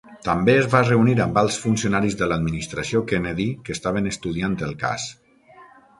També es va reunir amb alts funcionaris de l'administració Kennedy que estaven estudiant el cas.